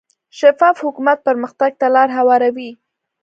شفاف حکومت پرمختګ ته لار هواروي.